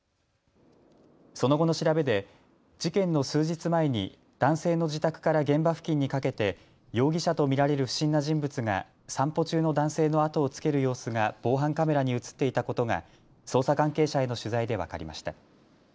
その後の調べで事件の数日前に男性の自宅から現場付近にかけて容疑者と見られる不審な人物が散歩中の男性の後をつける様子が防犯カメラに写っていたことが捜査関係者への取材で分かりました。